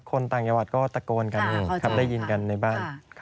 คนต่างจังหวัดก็ตะโกนกันครับได้ยินกันในบ้าน